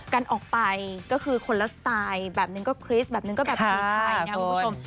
กันออกไปก็คือคนละสไตล์แบบนึงก็คริสต์แบบนึงก็แบบครีไทยนะคุณผู้ชม